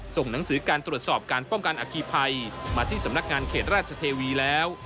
ส่งหนังสือการตรวจสอบการป้องกันอาคีภัยมาที่สำนักงานเขตราชเทวีแล้ว